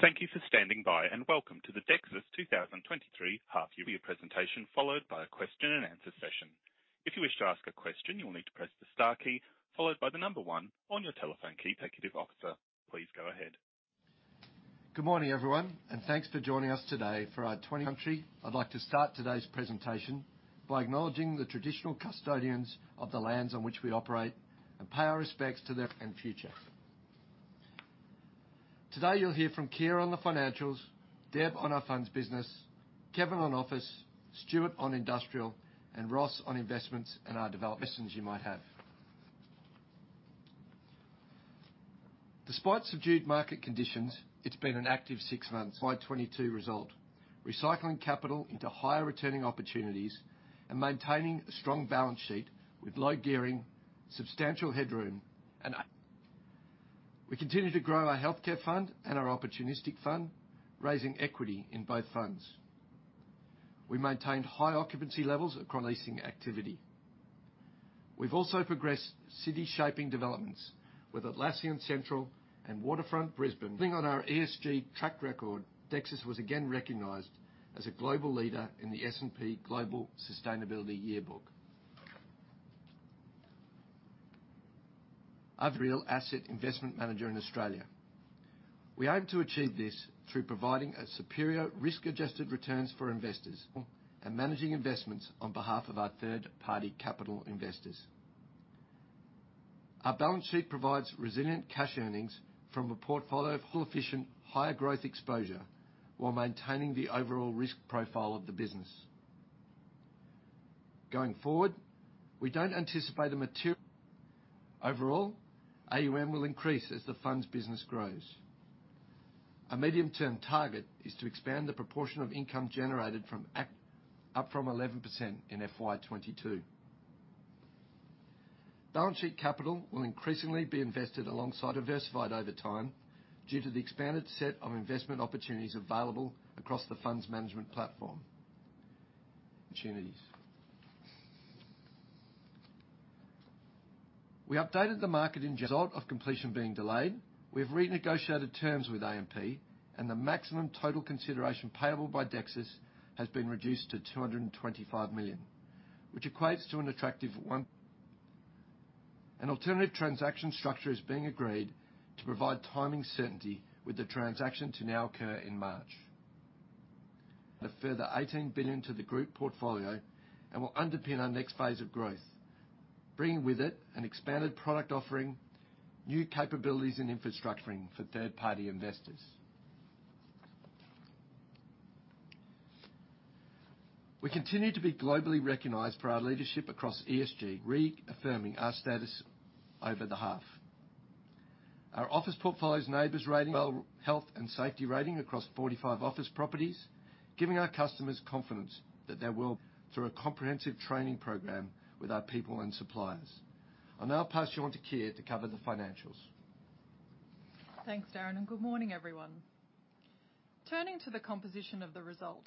Thank you for standing by, and welcome to the Dexus 2023 Half Year Presentation, followed by a question and answer session. If you wish to ask a question, you will need to press the star key followed by the one on your telephone keypad. Officer, please go ahead. Good morning, everyone. Thanks for joining us today for our. I'd like to start today's presentation by acknowledging the traditional custodians of the lands on which we operate, and pay our respects to them and future. Today, you'll hear from Keir on the financials, Deb on our funds business, Kevin on office, Stewart on industrial, and Ross on investments and our development you might have. Despite subdued market conditions, it's been an active six months. 2022 result, recycling capital into higher returning opportunities and maintaining a strong balance sheet with low gearing, substantial headroom. We continue to grow our healthcare fund and our opportunistic fund, raising equity in both funds. We maintained high occupancy levels across leasing activity. We've also progressed city shaping developments with Atlassian Central and Waterfront Brisbane. On our ESG track record, Dexus was again recognized as a global leader in the S&P Global Sustainability Yearbook. Real asset investment manager in Australia. We aim to achieve this through providing a superior risk-adjusted returns for investors and managing investments on behalf of our third-party capital investors. Our balance sheet provides resilient cash earnings from a portfolio of efficient, higher growth exposure while maintaining the overall risk profile of the business. Going forward, we don't anticipate a material. Overall, AUM will increase as the funds business grows. Our medium-term target is to expand the proportion of income generated from up from 11% in FY 2022. Balance sheet capital will increasingly be invested alongside diversified over time due to the expanded set of investment opportunities available across the funds management platform. We updated the market in result of completion being delayed, we've renegotiated terms with AMP, and the maximum total consideration payable by Dexus has been reduced to 225 million, which equates to an attractive one. An alternative transaction structure is being agreed to provide timing certainty with the transaction to now occur in March. A further 18 billion to the group portfolio and will underpin our next phase of growth, bringing with it an expanded product offering, new capabilities in infrastructure and for third-party investors. We continue to be globally recognized for our leadership across ESG, reaffirming our status over the half. Our office portfolio's NABERS rating health and safety rating across 45 office properties, giving our customers confidence that their world through a comprehensive training program with our people and suppliers. I'll now pass you on to Keir to cover the financials. Thanks, Darren. Good morning, everyone. Turning to the composition of the result.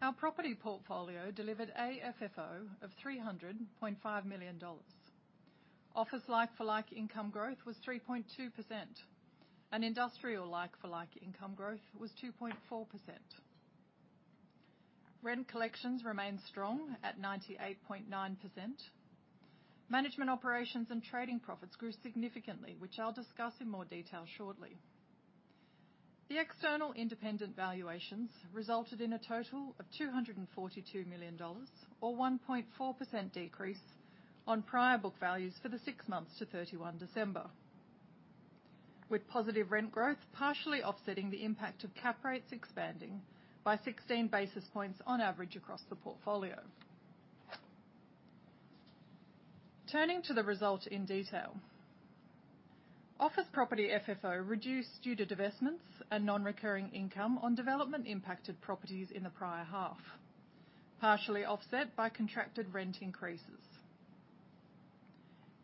Our property portfolio delivered AFFO of 300.5 million dollars. Office like-for-like income growth was 3.2%. Industrial like-for-like income growth was 2.4%. Rent collections remained strong at 98.9%. Management operations and trading profits grew significantly, which I'll discuss in more detail shortly. The external independent valuations resulted in a total of 242 million dollars or 1.4% decrease on prior book values for the six months to December 31st, with positive rent growth partially offsetting the impact of cap rates expanding by 16 basis points on average across the portfolio. Turning to the result in detail. Office property FFO reduced due to divestments and non-recurring income on development impacted properties in the prior half, partially offset by contracted rent increases.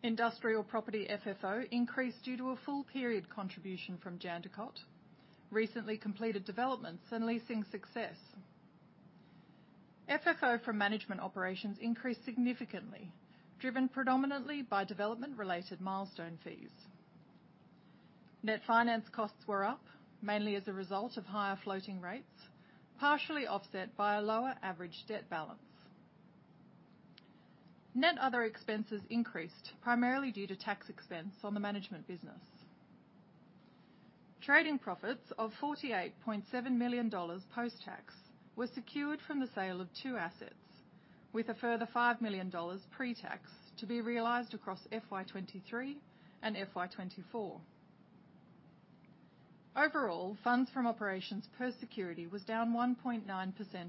Industrial property FFO increased due to a full period contribution from Jandakot, recently completed developments and leasing success. FFO from management operations increased significantly, driven predominantly by development-related milestone fees. Net finance costs were up mainly as a result of higher floating rates, partially offset by a lower average debt balance. Net other expenses increased, primarily due to tax expense on the management business. Trading profits of AUD 48.7 million post-tax were secured from the sale of two assets with a further AUD 5 million pre-tax to be realized across FY 2023 and FY 2024. Overall, funds from operations per security was down 1.9%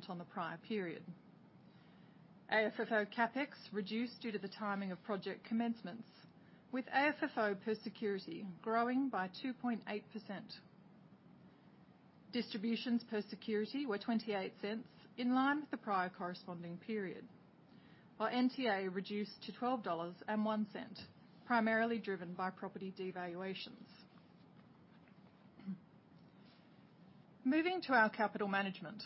on the prior period. AFFO CapEx reduced due to the timing of project commencements, with AFFO per security growing by 2.8%. Distributions per security were 0.28, in line with the prior corresponding period. While NTA reduced to 12.01 dollars, primarily driven by property devaluations. Moving to our capital management.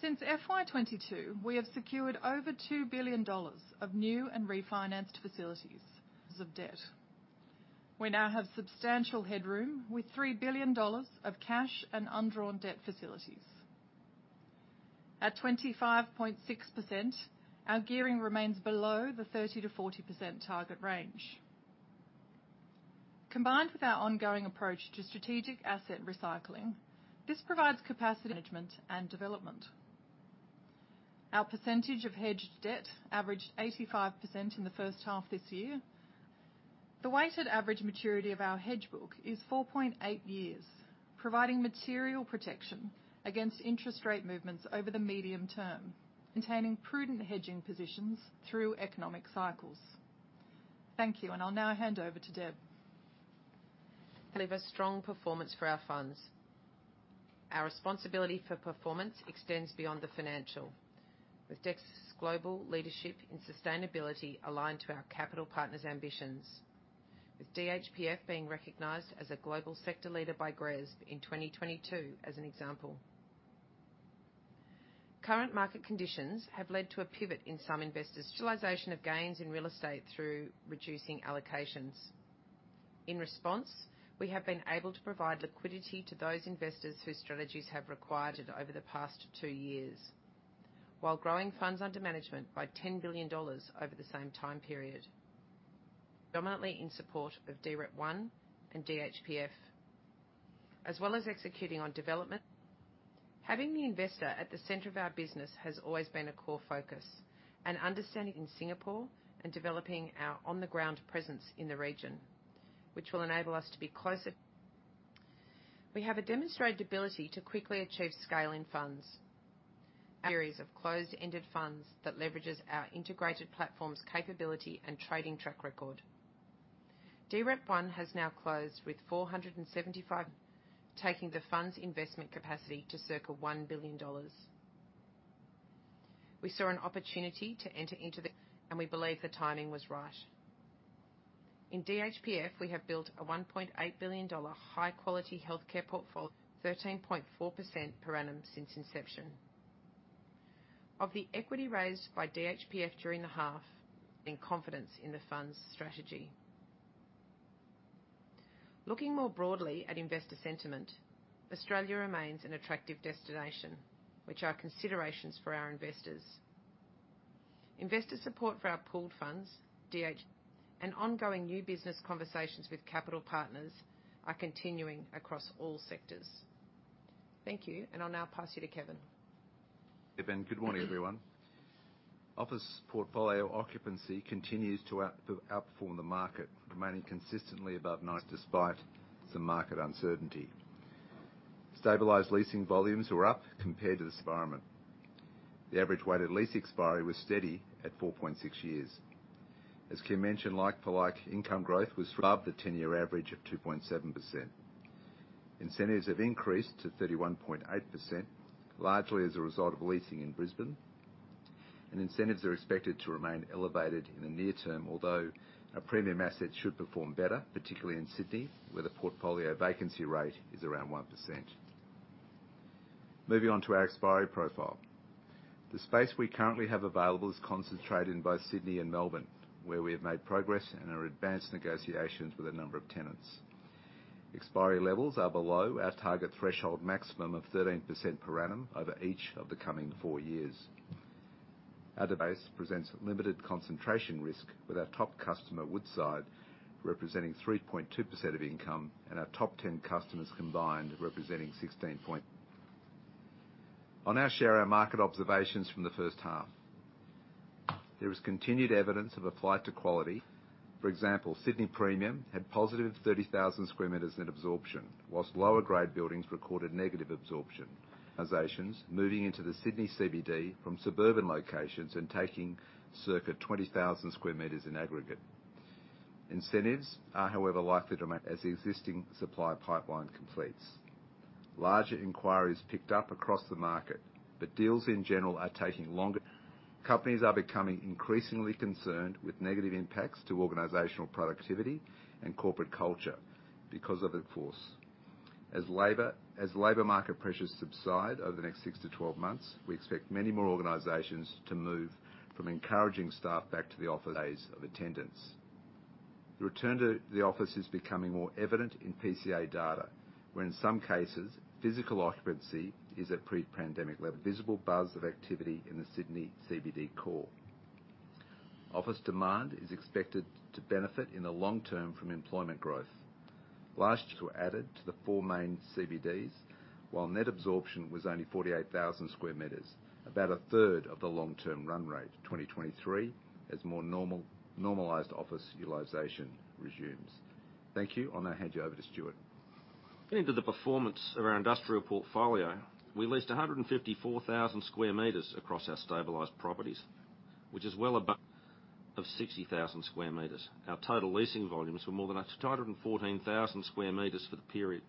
Since FY22, we have secured over 2 billion dollars of new and refinanced facilities of debt. We now have substantial headroom with 3 billion dollars of cash and undrawn debt facilities. At 25.6%, our gearing remains below the 30%-40% target range. Combined with our ongoing approach to strategic asset recycling, this provides capacity management and development. Our percentage of hedged debt averaged 85% in the first half this year. The weighted average maturity of our hedge book is 4.8 years, providing material protection against interest rate movements over the medium term, containing prudent hedging positions through economic cycles. Thank you. I'll now hand over to Deb. Deliver strong performance for our funds. Our responsibility for performance extends beyond the financial, with Dexus global leadership in sustainability aligned to our capital partners ambitions, with DHPF being recognized as a global sector leader by GRESB in 2022 as an example. Current market conditions have led to a pivot in some investors realization of gains in real estate through reducing allocations. In response, we have been able to provide liquidity to those investors whose strategies have required it over the past two years, while growing funds under management by 10 billion dollars over the same time period, dominantly in support of DREP1 and DHPF, as well as executing on development. Having the investor at the center of our business has always been a core focus and understanding in Singapore and developing our on the ground presence in the region, which will enable us to be closer. We have a demonstrated ability to quickly achieve scale in funds. Series of closed-ended funds that leverages our integrated platforms capability and trading track record. DREP1 has now closed with 475 million, taking the funds investment capacity to circa 1 billion dollars. We saw an opportunity to enter into the, and we believe the timing was right. In DHPF, we have built a 1.8 billion dollar high quality healthcare portfolio, 13.4% per annum since inception. Of the equity raised by DHPF during the half in confidence in the fund's strategy. Looking more broadly at investor sentiment, Australia remains an attractive destination, which are considerations for our investors. Investor support for our pooled funds, DHPF, and ongoing new business conversations with capital partners are continuing across all sectors. Thank you, and I'll now pass you to Kevin. Good morning everyone. Office portfolio occupancy continues to outperform the market, remaining consistently above 90% despite some market uncertainty. Stabilized leasing volumes were up compared to this environment. The average weighted lease expiry was steady at 4.6 years. As Keir mentioned, like for like, income growth was above the 10-year average of 2.7%. Incentives have increased to 31.8%, largely as a result of leasing in Brisbane. Incentives are expected to remain elevated in the near term, although our premium assets should perform better, particularly in Sydney, where the portfolio vacancy rate is around 1%. Moving on to our expiry profile. The space we currently have available is concentrated in both Sydney and Melbourne, where we have made progress and are advanced negotiations with a number of tenants. Expiry levels are below our target threshold maximum of 13% per annum over each of the coming four years. Our base presents limited concentration risk with our top customer, Woodside, representing 3.2% of income and our top 10 customers combined representing 16 point. I'll now share our market observations from the first half. There is continued evidence of a flight to quality. For example, Sydney Premium had positive 30,000 square meters net absorption, whilst lower grade buildings recorded negative absorption. Organizations moving into the Sydney CBD from suburban locations and taking circa 20,000 square meters in aggregate. Incentives are likely to remain as the existing supply pipeline completes. Larger inquiries picked up across the market, deals in general are taking longer. Companies are becoming increasingly concerned with negative impacts to organizational productivity and corporate culture because of the force. As labor market pressures subside over the next six to 12 months, we expect many more organizations to move from encouraging staff back to the office days of attendance. The return to the office is becoming more evident in PCA data, where in some cases, physical occupancy is at pre-pandemic level. Visible buzz of activity in the Sydney CBD core. Office demand is expected to benefit in the long term from employment growth. Last year added to the four main CBDs, while net absorption was only 48,000 square meters, about a third of the long-term run rate, 2023 as more normal, normalized office utilization resumes. Thank you. I'll now hand you over to Stewart. Getting to the performance of our industrial portfolio, we leased 154,000 square meters across our stabilized properties, which is well above of 60,000 square meters. Our total leasing volumes were more than 114,000 square meters for the period.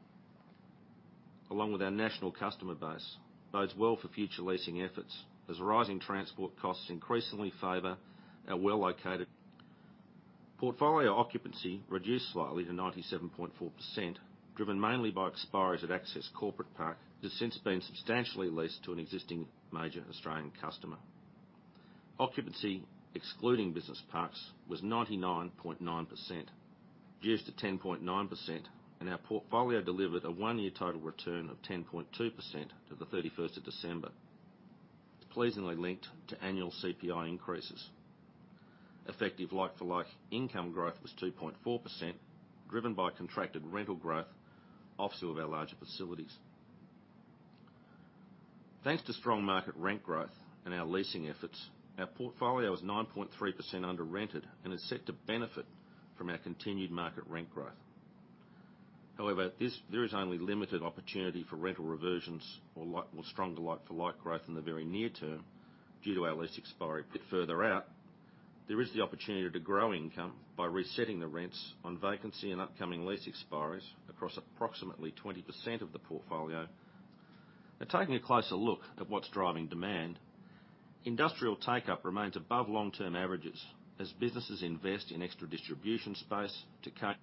Our national customer base, bodes well for future leasing efforts as rising transport costs increasingly favor our well located. Portfolio occupancy reduced slightly to 97.4%, driven mainly by expiries at Access Corporate Park, has since been substantially leased to an existing major Australian customer. Occupancy, excluding business parks, was 99.9%. Gears to 10.9%. Our portfolio delivered a one-year total return of 10.2% to the December 31st. Pleasingly linked to annual CPI increases. Effective like-for-like income growth was 2.4%, driven by contracted rental growth offsuite of our larger facilities. Thanks to strong market rent growth and our leasing efforts, our portfolio is 9.3% under rented and is set to benefit from our continued market rent growth. There is only limited opportunity for rental reversions or stronger like-for-like growth in the very near term due to our lease expiry. Further out, there is the opportunity to grow income by resetting the rents on vacancy and upcoming lease expiries across approximately 20% of the portfolio. Taking a closer look at what's driving demand, industrial take-up remains above long-term averages as businesses invest in extra distribution space to cut.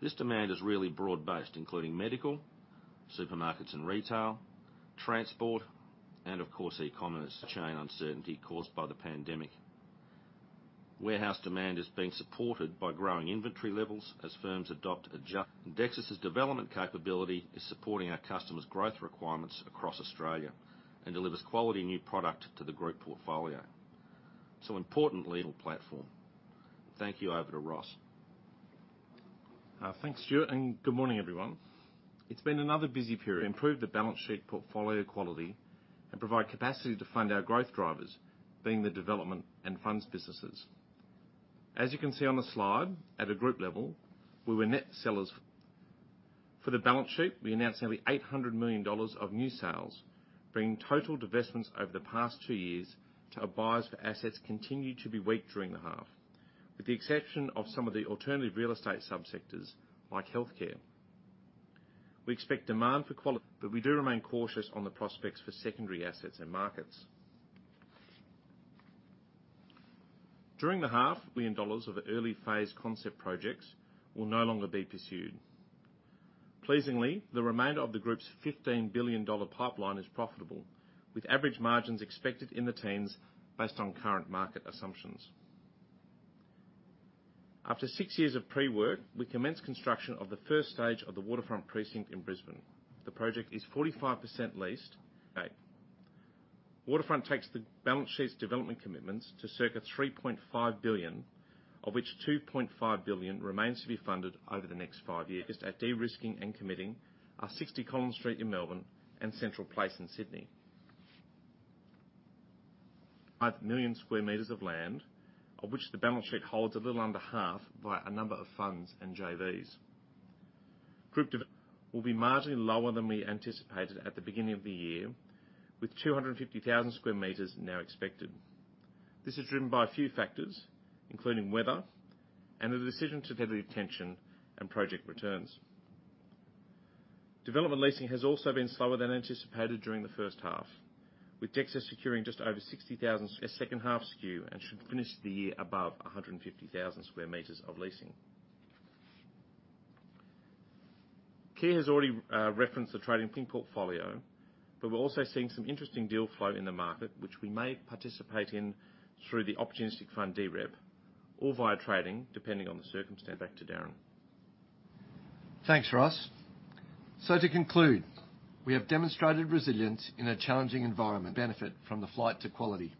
This demand is really broad-based, including medical, supermarkets and retail, transport, and of course, e-commerce chain uncertainty caused by the pandemic. Warehouse demand is being supported by growing inventory levels as firms adopt adjust. Dexus's development capability is supporting our customers' growth requirements across Australia and delivers quality new product to the group portfolio. It's an important legal platform. Thank you. Over to Ross. Thanks, Stewart, and good morning, everyone. It's been another busy period. Improve the balance sheet portfolio quality and provide capacity to fund our growth drivers being the development and funds businesses. As you can see on the slide, at a group level, we were net sellers. For the balance sheet, we announced nearly 800 million dollars of new sales, bringing total divestments over the past two years. To advise for assets continued to be weak during the half. With the exception of some of the alternative real estate sub-sectors, like healthcare. We expect demand for but we do remain cautious on the prospects for secondary assets and markets. During the half million dollars of early-phase concept projects will no longer be pursued. Pleasingly, the remainder of the group's 15 billion dollar pipeline is profitable, with average margins expected in the teens based on current market assumptions. After 6 years of pre-work, we commenced construction of the first stage of the Waterfront Precinct in Brisbane. The project is 45% leased. Waterfront takes the balance sheet's development commitments to circa 3.5 billion, of which 2.5 billion remains to be funded over the next five years. At de-risking and committing our 60 Collins Street in Melbourne and Central Place in Sydney. 5 million square meters of land, of which the balance sheet holds a little under half by a number of funds and JVs. Group development will be marginally lower than we anticipated at the beginning of the year, with 250,000 square meters now expected. This is driven by a few factors, including weather and the decision to better the attention and project returns. Development leasing has also been slower than anticipated during the first half, with Dexus securing just over 60,000 a second half skew and should finish the year above 150,000 square meters of leasing. Keir has already referenced the trading portfolio. We're also seeing some interesting deal flow in the market, which we may participate in through the opportunistic fund DREP or via trading, depending on the circumstance. Back to Darren. Thanks, Ross. To conclude, we have demonstrated resilience in a challenging environment. Benefit from the flight to quality.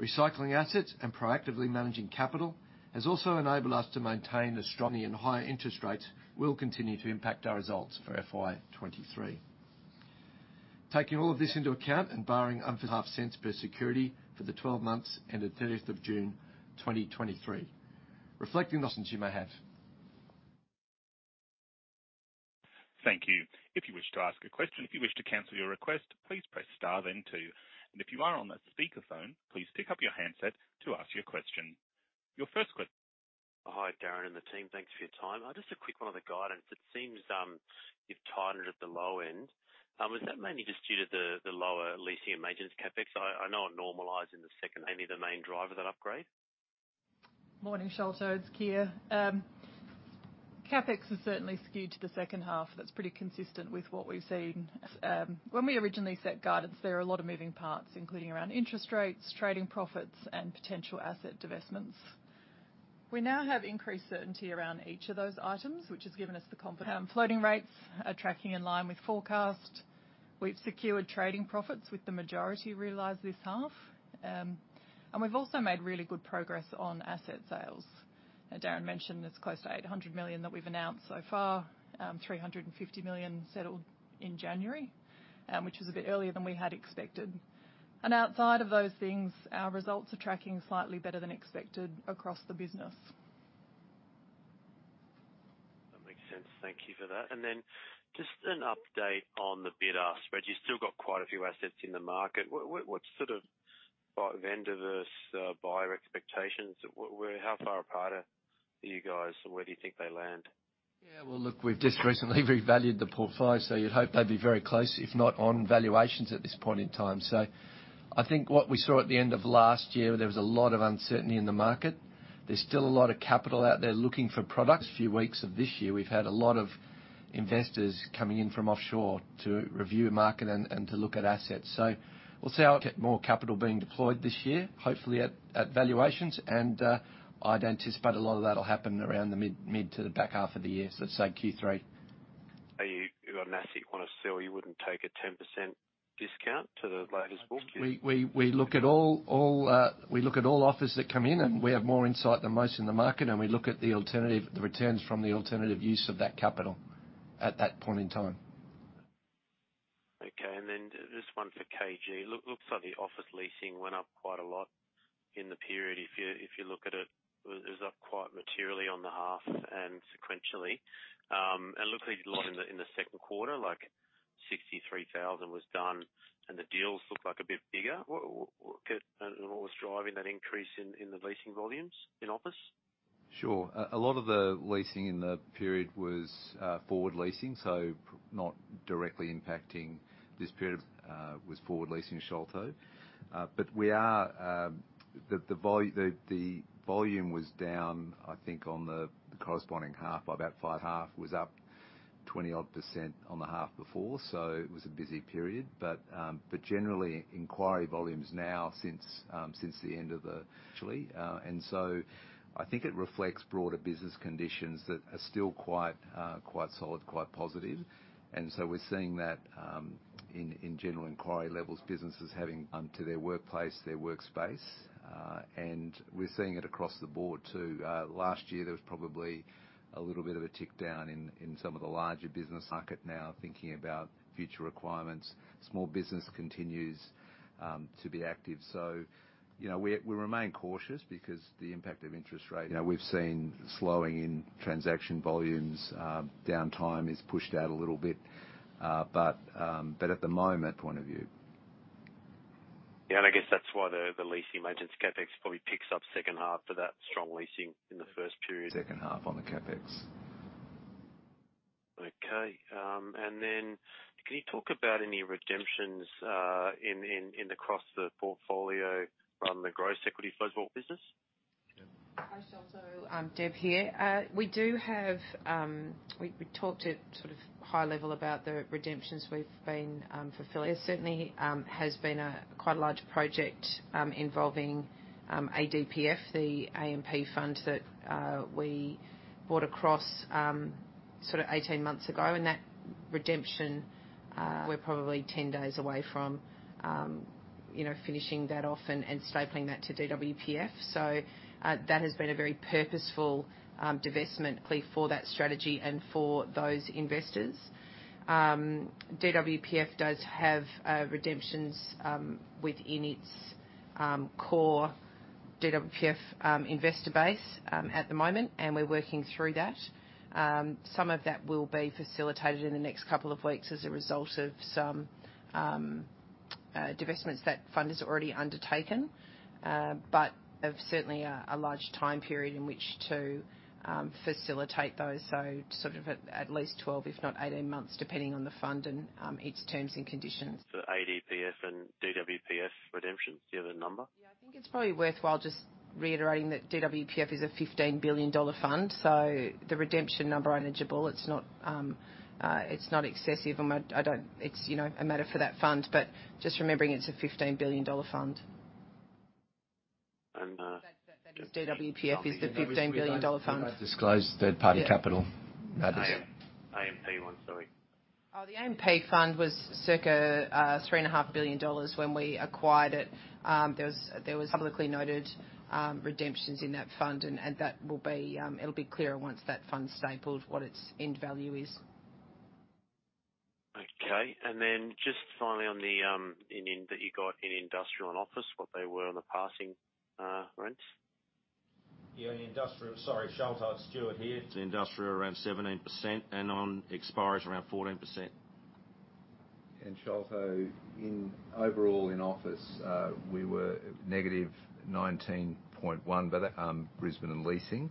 Recycling assets and proactively managing capital has also enabled us to maintain the strongly and higher interest rates will continue to impact our results for FY 2023. Taking all of this into account and AUD 0.5 Per security for the 12 months endedJune 30th, 2023. You may have. Thank you. If you wish to ask a question. If you wish to cancel your request, please press star then two. If you are on a speaker phone, please pick up your handset to ask your question. Hi, Darren and the team. Thanks for your time. Just a quick one on the guidance. It seems you've tied it at the low end. Is that mainly just due to the lower leasing and maintenance CapEx? I know it normalized in the second. Mainly the main driver of that upgrade. Morning, Sholto. It's Keir. CapEx is certainly skewed to the second half. That's pretty consistent with what we've seen. When we originally set guidance, there are a lot of moving parts, including around interest rates, trading profits, and potential asset divestments. We now have increased certainty around each of those items, which has given us the confidence. Floating rates are tracking in line with forecast. We've secured trading profits, with the majority realized this half. We've also made really good progress on asset sales. As Darren mentioned, it's close to 800 million that we've announced so far. 350 million settled in January, which was a bit earlier than we had expected. Outside of those things, our results are tracking slightly better than expected across the business. That makes sense. Thank you for that. Just an update on the bid ask spread. You've still got quite a few assets in the market. What's sort of vendor versus buyer expectations? How far apart are for you guys, so where do you think they land? Yeah, well, look, we've just recently revalued the portfolio, so you'd hope they'd be very close, if not on valuations at this point in time. I think what we saw at the end of last year, there was a lot of uncertainty in the market. There's still a lot of capital out there looking for products. Few weeks of this year, we've had a lot of investors coming in from offshore to review the market and to look at assets. We'll see more capital being deployed this year, hopefully at valuations, and I'd anticipate a lot of that'll happen around the mid to the back half of the year, so let's say Q3. Are you, if you've got an asset you wanna sell, you wouldn't take a 10% discount to the latest book value? We look at all offers that come in. We have more insight than most in the market. We look at the alternative, the returns from the alternative use of that capital at that point in time. Just one for KG. Look, looks like the office leasing went up quite a lot in the period. If you look at it was up quite materially on the half and sequentially. It looks like a lot in the Q2, like 63,000 was done and the deals look like a bit bigger. What was driving that increase in the leasing volumes in office? Sure. A lot of the leasing in the period was forward leasing, so not directly impacting this period, was forward leasing Sholto. We are, the volume was down, I think, on the corresponding half by about five half, was up 20 odd % on the half before, so it was a busy period. But generally inquiry volumes now since the end of the actually. I think it reflects broader business conditions that are still quite solid, quite positive. We're seeing that in general inquiry levels, businesses having onto their workplace, their workspace, and we're seeing it across the board, too. Last year there was probably a little bit of a tick down in some of the larger business market now thinking about future requirements. Small business continues to be active. You know, we remain cautious because the impact of interest rates, you know, we've seen slowing in transaction volumes. Downtime is pushed out a little bit. But at the moment point of view. Yeah, I guess that's why the leasing margins CapEx probably picks up second half for that strong leasing in the first period. Second half on the CapEx. Okay. Can you talk about any redemptions in the cross of portfolio from the gross equity flows of business? Yeah. Hi, Sholto. I'm Deb here. We do have, we talked at sort of high level about the redemptions we've been fulfilling. There certainly has been a quite a large project involving ADPF, the AMP fund that we brought across sort of 18 months ago. That redemption, we're probably 10 days away from, you know, finishing that off and stapling that to DWPF. That has been a very purposeful divestment for that strategy and for those investors. DWPF does have redemptions within its core DWPF investor base at the moment, and we're working through that. Some of that will be facilitated in the next couple of weeks as a result of some divestments that fund has already undertaken, but of certainly a large time period in which to facilitate those, so sort of at least 12, if not 18 months, depending on the fund and its terms and conditions. For ADPF and DWPF redemptions, do you have a number? I think it's probably worthwhile just reiterating that DWPF is an 15 billion dollar fund, so the redemption number eligible, it's not excessive. I don't... it's, you know, a matter for that fund, but just remembering it's an 15 billion dollar fund. And, uh- That is DWPF, is the 15 billion dollar fund. Obviously, we don't disclose third party capital. Yeah. That is- AMP one, sorry. The AMP fund was circa 3.5 billion dollars when we acquired it. There was publicly noted redemptions in that fund and that will be clearer once that fund's stapled what its end value is. Okay. Just finally on the in that you got in industrial and office, what they were on the passing rent. Yeah, in industrial. Sorry, Sholto, it's Stewart here. It's industrial around 17% and on expires around 14%. Sholto, in, overall in office, we were negative 19.1%.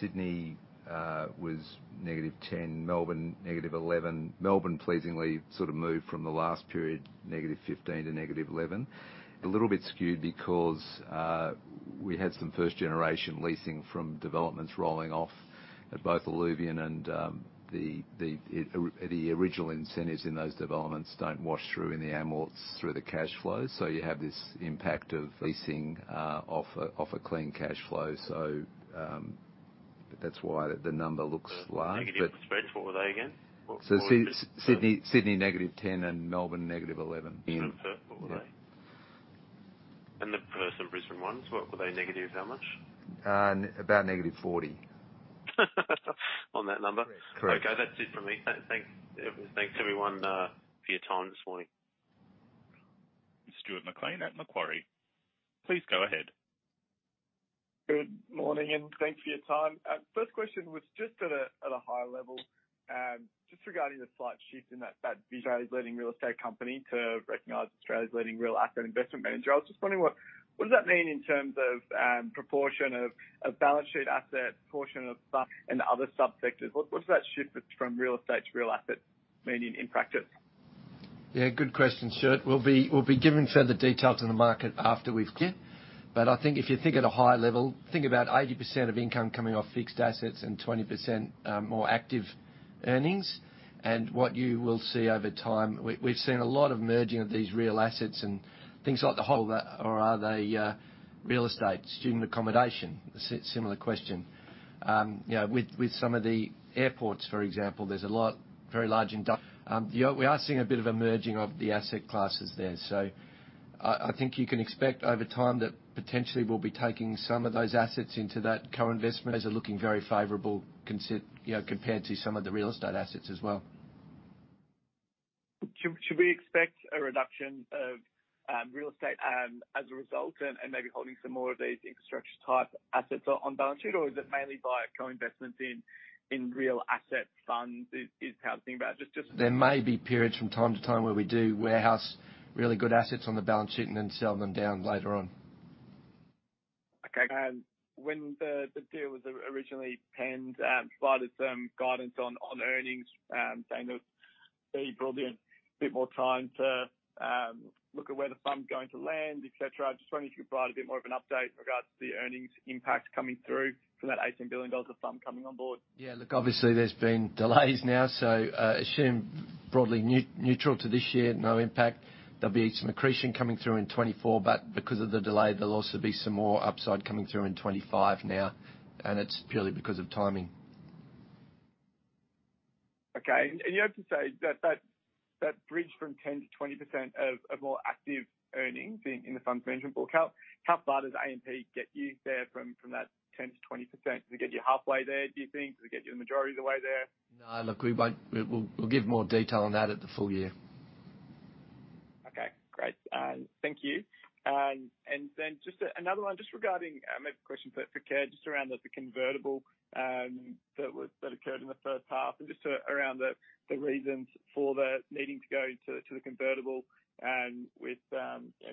Sydney was negative 10%, Melbourne negative 11%. Melbourne pleasingly sort of moved from the last period, negative 15% to negative 11%. A little bit skewed because we had some first generation leasing from developments rolling off at both Alluvion and the original incentives in those developments don't wash through in the amort through the cash flow. You have this impact of leasing off a clean cash flow. That's why the number looks large. The negative spreads, what were they again? Sydney negative 10 and Melbourne negative 11. What were they? Yeah. The first in Brisbane ones, what were they negative how much? about negative 40. On that number? Correct. Okay, that's it for me. Thanks, everyone, for your time this morning. Stuart McLean at Macquarie. Please go ahead. Good morning. Thanks for your time. First question was just at a high level. Just regarding the slight shift in that Australia's leading real estate company to recognize Australia's leading real asset investment manager. I was just wondering what does that mean in terms of proportion of balance sheet assets, proportion of Should we expect a reduction of real estate as a result and maybe holding some more of these infrastructure type assets on balance sheet? Or is it mainly by co-investments in real asset funds is how to think about it? There may be periods from time to time where we do warehouse really good assets on the balance sheet and then sell them down later on. When the deal was originally penned, provided some guidance on earnings, saying that they brought in a bit more time to, look at where the fund's going to land, et cetera. I just wondering if you could provide a bit more of an update in regards to the earnings impact coming through from that 18 billion dollars of fund coming on board. Yeah. Look, obviously there's been delays now. Assume broadly neutral to this year, no impact. There'll be some accretion coming through in 2024. Because of the delay, there'll also be some more upside coming through in 2025 now. It's purely because of timing. Okay. You have to say that bridge from 10% to 20% of more active earnings in the funds management book, how far does AMP get you there from that 10% to 20%? Does it get you halfway there, do you think? Does it get you the majority of the way there? No, look, we won't. We'll give more detail on that at the full year. Okay, great. Thank you. Just another one just regarding maybe a question for Keir, just around the convertible that was that occurred in the first half and just around the reasons for the needing to go to the convertible with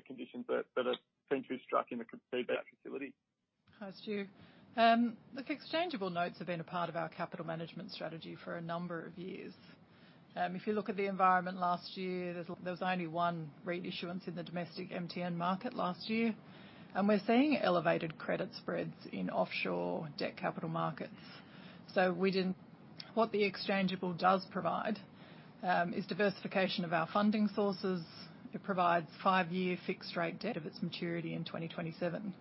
conditions that have been through struck in the capacity? Look, exchangeable notes have been a part of our capital management strategy for a number of years. If you look at the environment last year, there was only one reissuance in the domestic MTN market last year. We're seeing elevated credit spreads in offshore debt capital markets. What the exchangeable does provide is diversification of our funding sources. It provides five-year fixed rate debt of its maturity in 2027.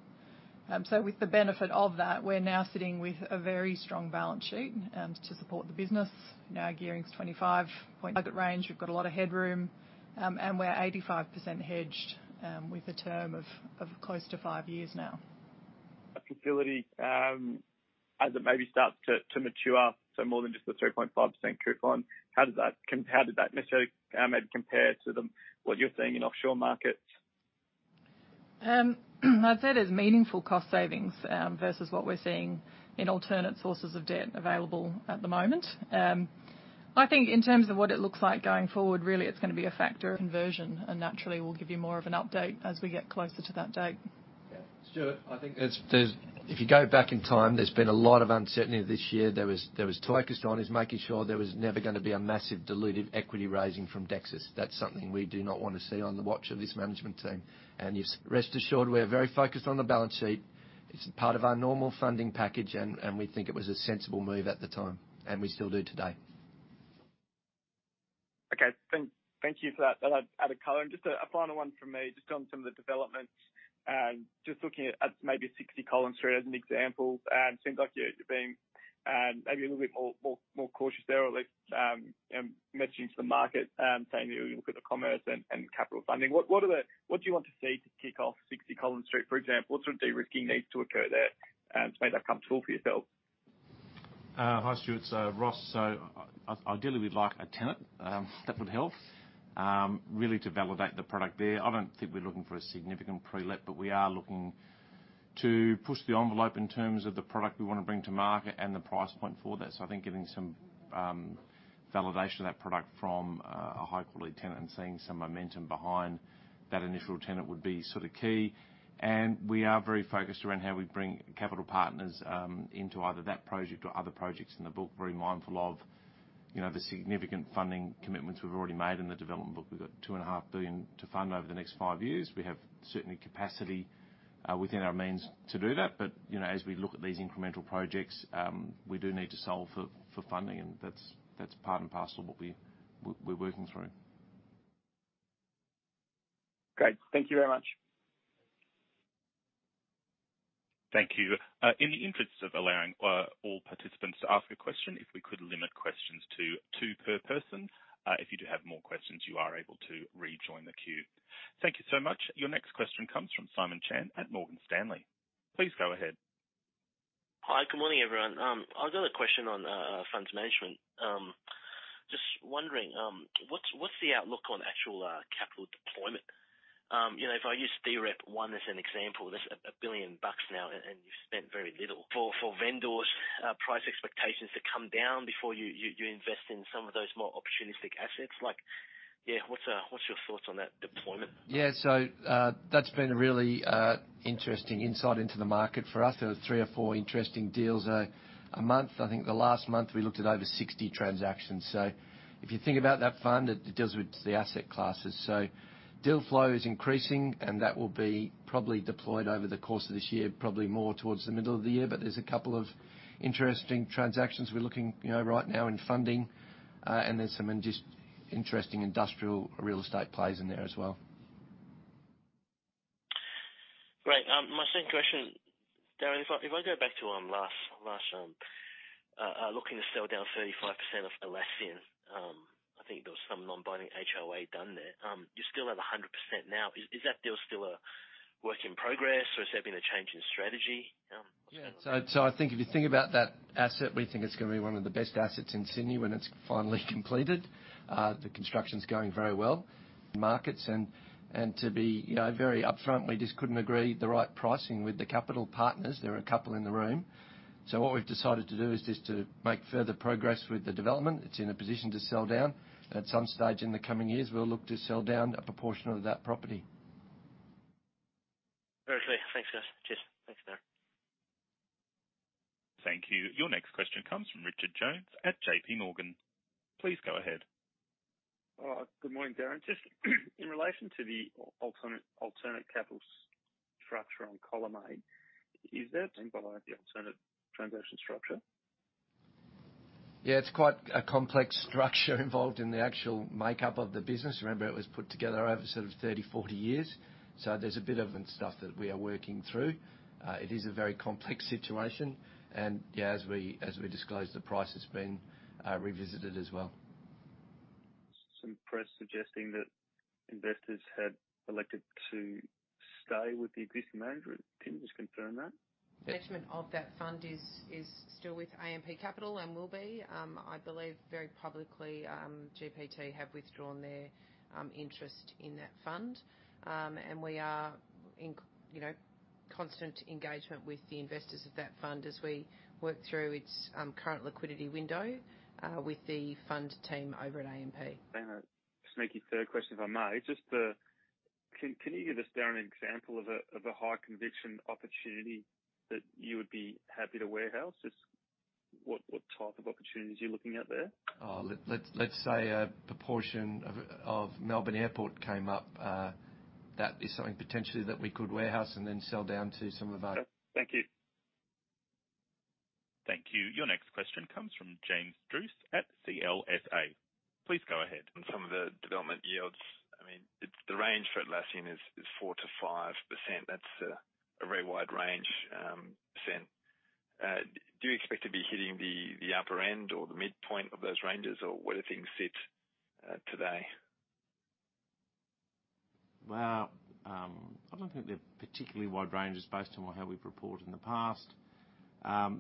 With the benefit of that, we're now sitting with a very strong balance sheet to support the business. Our gearing's 25 point target range. We've got a lot of headroom, and we're 85% hedged, with a term of close to five years now. As it maybe starts to mature, so more than just the 3.5% coupon, how does that necessarily, maybe compare to the, what you're seeing in offshore markets? I'd say there's meaningful cost savings versus what we're seeing in alternate sources of debt available at the moment. I think in terms of what it looks like going forward, really, it's gonna be a factor of conversion, and naturally, we'll give you more of an update as we get closer to that date. Yeah. Stewart, I think it's, if you go back in time, there's been a lot of uncertainty this year. There was focus on is making sure there was never gonna be a massive dilutive equity raising from Dexus. That's something we do not wanna see on the watch of this management team. You've rest assured we're very focused on the balance sheet. It's part of our normal funding package, and we think it was a sensible move at the time, and we still do today. Okay. Thank you for that added color. Just a final one from me, just on some of the developments. Just looking at maybe 60 Collins Street as an example. Seems like you're being maybe a little bit more cautious there or at least messaging to the market, saying that you look at the commerce and capital funding. What do you want to see to kick off 60 Collins Street, for example? What sort of de-risking needs to occur there to make that comfortable for yourselves? Hi, Stuart. Ross. Ideally, we'd like a tenant that would help really to validate the product there. I don't think we're looking for a significant pre-let, but we are looking to push the envelope in terms of the product we wanna bring to market and the price point for that. I think getting some validation of that product from a high-quality tenant and seeing some momentum behind that initial tenant would be sort of key. We are very focused around how we bring capital partners into either that project or other projects in the book, very mindful of, you know, the significant funding commitments we've already made in the development book. We've got 2.5 billion to fund over the next five years. We have certainly capacity within our means to do that. You know, as we look at these incremental projects, we do need to solve for funding, and that's part and parcel of what we're working through. Great. Thank you very much. Thank you. In the interest of allowing all participants to ask a question, if we could limit questions to two per person. If you do have more questions, you are able to rejoin the queue. Thank you so much. Your next question comes from Simon Chan at Morgan Stanley. Please go ahead. Hi. Good morning, everyone. I've got a question on funds management. Just wondering, what's the outlook on actual capital deployment? You know, if I use DREP1 as an example, that's 1 billion bucks now, and you've spent very little. For vendors, price expectations to come down before you invest in some of those more opportunistic assets. Like, yeah, what's your thoughts on that deployment? Yeah. That's been a really interesting insight into the market for us. There were three or four interesting deals a month. I think the last month we looked at over 60 transactions. If you think about that fund, it deals with the asset classes. Deal flow is increasing, and that will be probably deployed over the course of this year, probably more towards the middle of the year. There's a couple of interesting transactions we're looking, you know, right now in funding. And there's some just interesting industrial real estate plays in there as well. Great. My second question, Darren, if I go back to last, looking to sell down 35% of Atlassian, I think there was some non-binding HOA done there. You still have 100% now. Is that deal still a work in progress, or has there been a change in strategy? Yeah. I think if you think about that asset, we think it's gonna be one of the best assets in Sydney when it's finally completed. The construction's going very well. Markets and to be, you know, very upfront, we just couldn't agree the right pricing with the capital partners. There are a couple in the room. What we've decided to do is just to make further progress with the development. It's in a position to sell down. At some stage in the coming years, we'll look to sell down a proportion of that property. Perfect. Thanks, guys. Cheers. Thanks, Darren. Thank you. Your next question comes from Richard Jones at JP Morgan. Please go ahead. Good morning, Darren. Just in relation to the alternate capital structure on Collimate, by the alternative transaction structure? It's quite a complex structure involved in the actual makeup of the business. Remember, it was put together over sort of 30, 40 years, so there's a bit of stuff that we are working through. It is a very complex situation, and as we, as we disclose, the price has been revisited as well. Some press suggesting that investors had elected to stay with the existing manager. Can you just confirm that? Management of that fund is still with AMP Capital and will be. I believe very publicly, GPT have withdrawn their interest in that fund. We are in you know, constant engagement with the investors of that fund as we work through its current liquidity window with the fund team over at AMP. Just make it third question, if I may. Can you give us there an example of a high conviction opportunity that you would be happy to warehouse? What type of opportunities are you looking at there? Oh, let's say a proportion of Melbourne Airport came up, that is something potentially that we could warehouse and then sell down to some of our- Okay. Thank you. Thank you. Your next question comes from James Druce at CLSA. Please go ahead. Some of the development yields, I mean, the range for Atlassian is 4%-5%. That's a very wide range, %. Do you expect to be hitting the upper end or the midpoint of those ranges, or where do things sit today? Well, I don't think they're particularly wide ranges based on how we've reported in the past.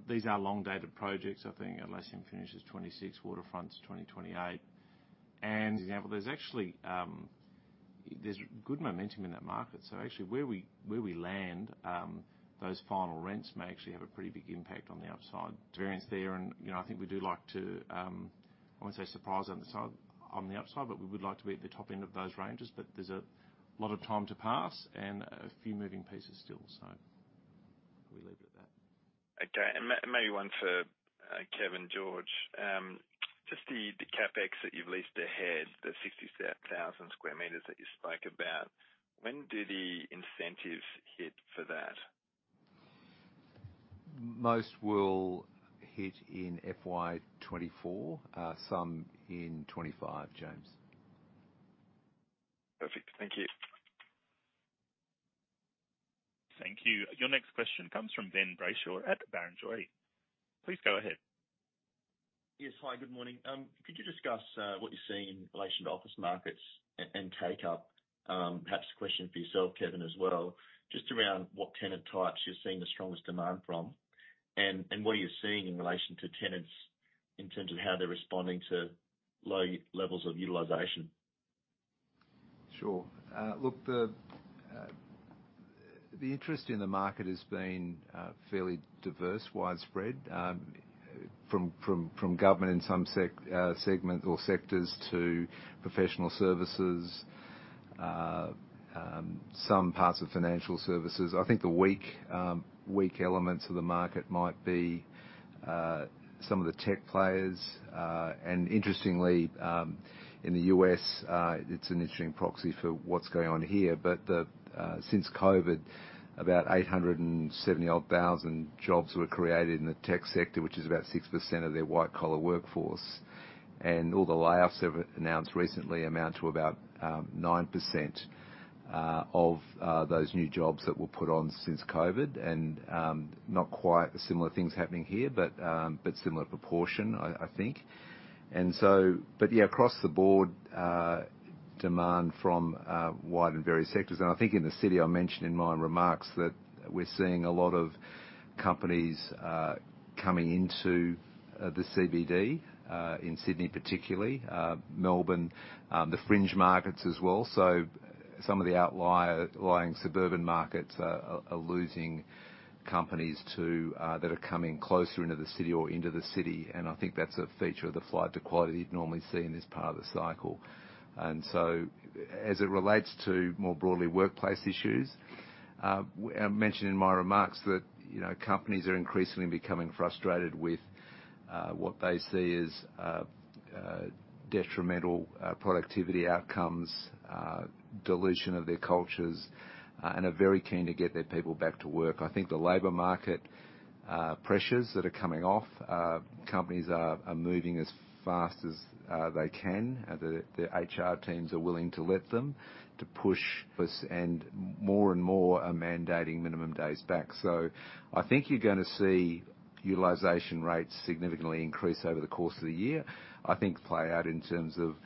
These are long dated projects. I think Atlassian finishes 2026, Waterfronts 2028. Example, there's actually, there's good momentum in that market. Where we, where we land, those final rents may actually have a pretty big impact on the upside. Variance there, and, you know, I think we do like to, I wouldn't say surprise on the side, on the upside, but we would like to be at the top end of those ranges. There's a lot of time to pass and a few moving pieces still. We leave it at that. Okay. Maybe one for Kevin George. Just the CapEx that you've leased ahead, the 60,000 square meters that you spoke about. When do the incentives hit for that? Most will hit in FY 2024, some in 2025, James. Perfect. Thank you. Thank you. Your next question comes from Ben Brayshaw at Barrenjoey. Please go ahead. Yes. Hi, good morning. Could you discuss what you're seeing in relation to office markets and take up? Perhaps a question for yourself, Kevin, as well, just around what tenant types you're seeing the strongest demand from, and what are you seeing in relation to tenants in terms of how they're responding to low levels of utilization? Sure. Look, the interest in the market has been fairly diverse, widespread, from government in some segment or sectors to professional services, some parts of financial services. I think the weak elements of the market might be some of the tech players. Interestingly, in the U.S., it's an interesting proxy for what's going on here, but since COVID, about 870,000 odd jobs were created in the tech sector, which is about 6% of their white collar workforce. All the layoffs they've announced recently amount to about 9% of those new jobs that were put on since COVID. Not quite similar things happening here, but similar proportion, I think. But yeah, across the board. Demand from wide and various sectors. I think in the city, I mentioned in my remarks that we're seeing a lot of companies coming into the CBD in Sydney, particularly Melbourne, the fringe markets as well. Some of the outlier-lying suburban markets are losing companies to that are coming closer into the city or into the city. I think that's a feature of the flight to quality you'd normally see in this part of the cycle. As it relates to more broadly workplace issues, I mentioned in my remarks that, you know, companies are increasingly becoming frustrated with what they see as detrimental productivity outcomes, dilution of their cultures, and are very keen to get their people back to work. I think the labor market pressures that are coming off, companies are moving as fast as they can, the HR teams are willing to let them to push this, and more and more are mandating minimum days back. I think you're gonna see utilization rates significantly increase over the course of the year. I think play out in terms of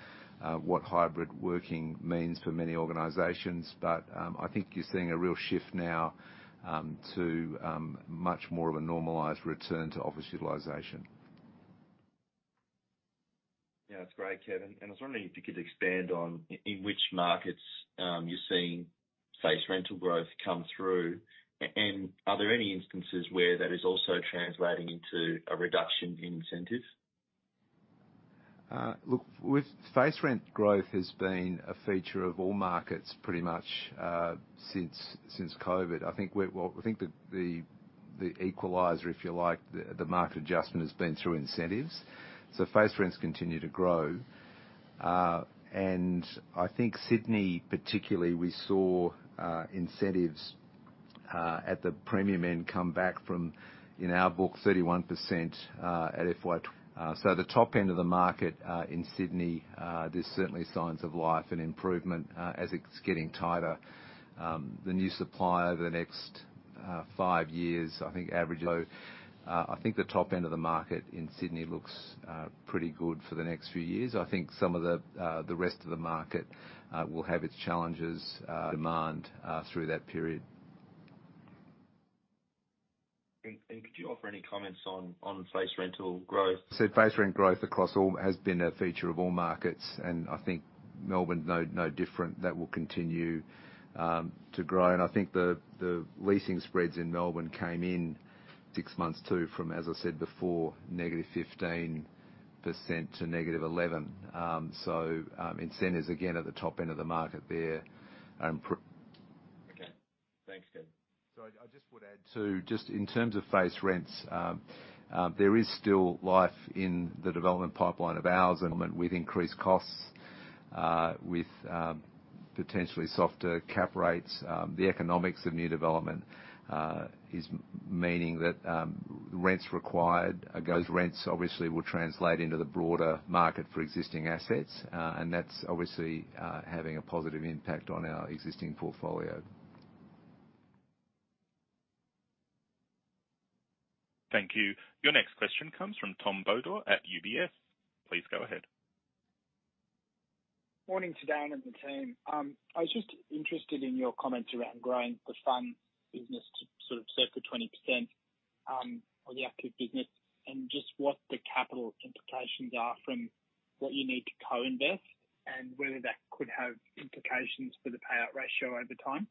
what hybrid working means for many organizations. I think you're seeing a real shift now, to much more of a normalized return to office utilization. Yeah, that's great, Kevin. I was wondering if you could expand on in which markets you're seeing face rental growth come through, and are there any instances where that is also translating into a reduction in incentives? Look, with face rent growth has been a feature of all markets pretty much, since COVID. Well, I think the equalizer, if you like, the market adjustment has been through incentives. Face rents continue to grow. I think Sydney particularly, we saw incentives at the premium end come back from, in our book, 31% at FY. The top end of the market in Sydney, there's certainly signs of life and improvement as it's getting tighter. The new supply over the next five years, I think averages low. I think the top end of the market in Sydney looks pretty good for the next few years. I think some of the rest of the market will have its challenges, demand through that period. Could you offer any comments on face rental growth? Face rent growth across all has been a feature of all markets, I think Melbourne, no different. That will continue to grow. I think the leasing spreads in Melbourne came in six months too from, as I said before, negative 15% to -negative 11%. Incentives again at the top end of the market there are. Okay, thanks, Kevin. I just would add to, just in terms of face rents, there is still life in the development pipeline of ours. With increased costs, with potentially softer cap rates, the economics of new development is meaning that rents required, those rents obviously will translate into the broader market for existing assets. That's obviously having a positive impact on our existing portfolio. Thank you. Your next question comes from Tom Bodor at UBS. Please go ahead. Morning to Dan and the team. I was just interested in your comments around growing the fund business to sort of circa 20% of the active business, and just what the capital implications are from what you need to co-invest and whether that could have implications for the payout ratio over time.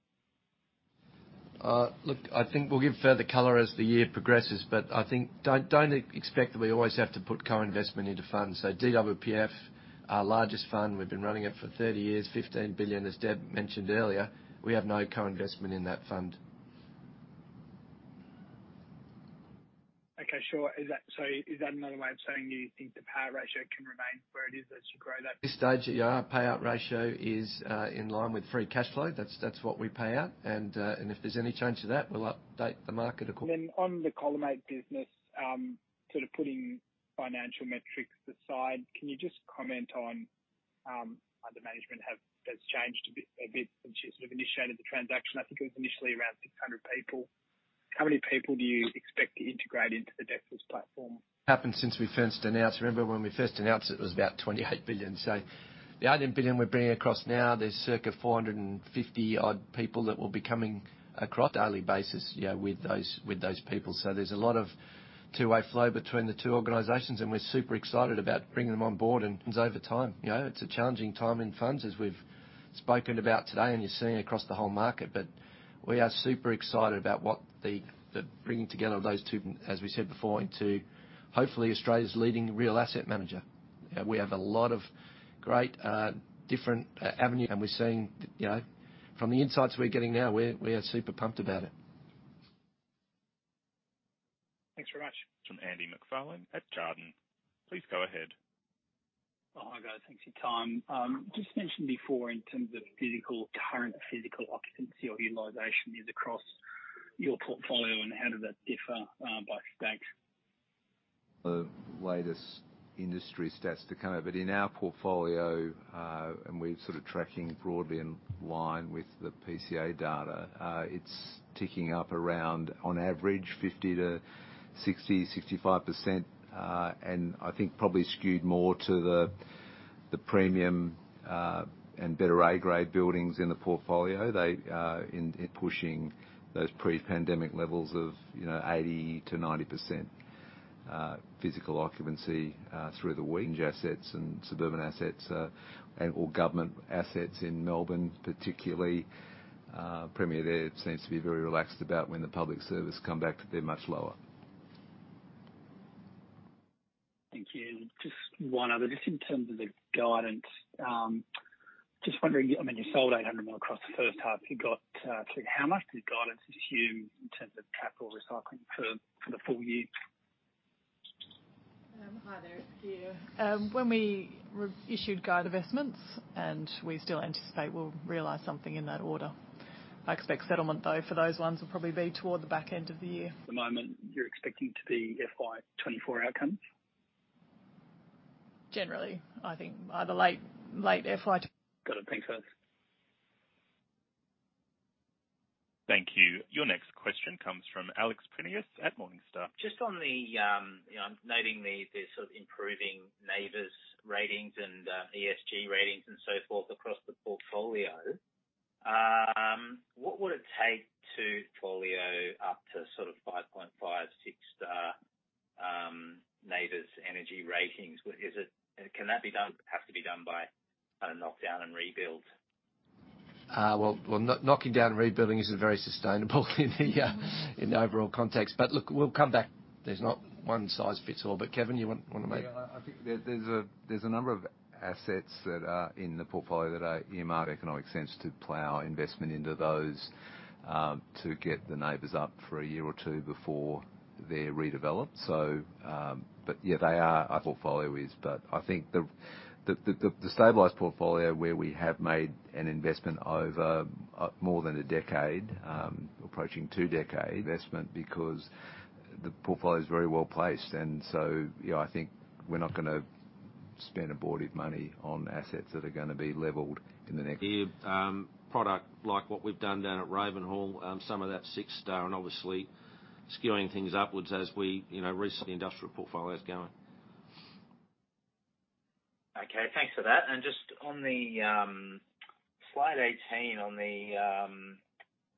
Look, I think we'll give further color as the year progresses, but I think don't expect that we always have to put co-investment into funds. DWPF, our largest fund, we've been running it for 30 years, 15 billion, as Deb mentioned earlier. We have no co-investment in that fund. Okay, sure. Is that another way of saying you think the payout ratio can remain where it is as you grow that- At this stage, yeah, our payout ratio is in line with free cash flow. That's what we pay out. If there's any change to that, we'll update the market. On the Collimate Capital business, sort of putting financial metrics aside, can you just comment on, under management have, has changed a bit since you sort of initiated the transaction? I think it was initially around 600 people. How many people do you expect to integrate into the Dexus platform? Happened since we first announced. Remember when we first announced it was about $28 billion. The $18 billion we're bringing across now, there's circa 450 odd people that will be coming across daily basis, you know, with those, with those people. There's a lot of two-way flow between the two organizations, and we're super excited about bringing them on board and over time. You know, it's a challenging time in funds as we've spoken about today and you're seeing across the whole market. We are super excited about what the bringing together of those two, as we said before, into hopefully Australia's leading real asset manager. We have a lot of great, different avenue, and we're seeing, you know, from the insights we're getting now, we are super pumped about it. Thanks very much. From Lou Pirenc at Jarden. Please go ahead. Oh, hi guys. Thanks for your time. Just mentioned before in terms of physical, current physical occupancy or utilization is across your portfolio and how did that differ by stack? The latest industry stats to come out. In our portfolio, and we're sort of tracking broadly in line with the PCA data, it's ticking up around on average 50% to 60%, 65%, and I think probably skewed more to the...the premium, and better A grade buildings in the portfolio, they, in pushing those pre-pandemic levels of, you know, 80%-90% physical occupancy through the week. Assets and suburban assets, and all government assets in Melbourne, particularly, premier there seems to be very relaxed about when the public service come back, they're much lower. Thank you. Just one other. Just in terms of the guidance, just wondering, I mean, you sold 800 more across the first half. You got how much the guidance is huge in terms of capital recycling for the full year? Hi there. When we re-issued guide investments, and we still anticipate we'll realize something in that order. I expect settlement, though, for those ones will probably be toward the back end of the year. At the moment, you're expecting to be FY 2024 outcomes? Generally, I think either late FY. Got it. Thanks. Thank you. Your next question comes from Alex Prineas at Morningstar. Just on the, you know, noting the sort of improving NABERS ratings and ESG ratings and so forth across the portfolio, what would it take to portfolio up to sort of 5.5, 6 star NABERS energy ratings? Is it? Can that be done? Has to be done by a knockdown and rebuild? Well, knocking down rebuilding isn't very sustainable in the overall context. Look, we'll come back. There's not one size fits all. Kevin. I think there's a number of assets that are in the portfolio that are in market economic sense to plow investment into those to get the NABERS up for a year or two before they're redeveloped. But yeah, our portfolio is. I think the stabilized portfolio where we have made an investment over more than a decade, approaching two decade investment because the portfolio is very well-placed. You know, I think we're not gonna spend aborted money on assets that are gonna be leveled in the next year. product like what we've done down at Ravenhall, some of that 6 star and obviously skewing things upwards as we, you know, recent industrial portfolio is going. Okay, thanks for that. Just on the slide 18 on the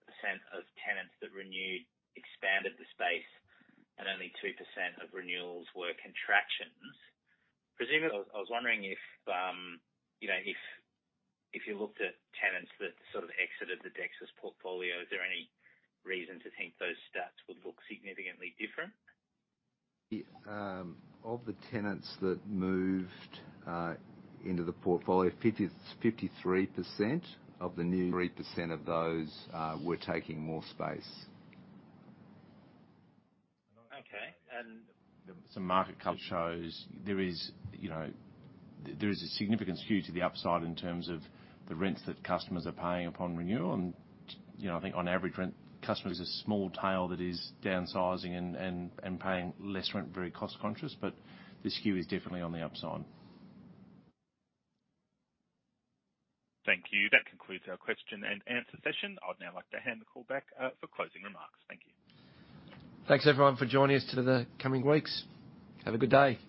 percent of tenants that renewed, expanded the space, and only 2% of renewals were contractions. I was wondering if, you know, if you looked at tenants that sort of exited the Dexus portfolio, is there any reason to think those stats would look significantly different? Of the tenants that moved into the portfolio, 53% of the new. 3% of those were taking more space. Okay. Some market shows there is, you know, there is a significant skew to the upside in terms of the rents that customers are paying upon renewal and, you know, I think on average rent, customers is a small tail that is downsizing and paying less rent, very cost conscious, but the skew is definitely on the upside. Thank you. That concludes our question and answer session. I'd now like to hand the call back for closing remarks. Thank you. Thanks everyone for joining us to the coming weeks. Have a good day.